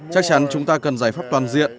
chắc chắn chúng ta cần giải pháp toàn diện